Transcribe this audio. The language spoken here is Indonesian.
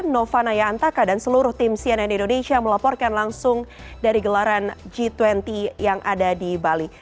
nova naya antaka dan seluruh tim cnn indonesia melaporkan langsung dari gelaran g dua puluh yang ada di bali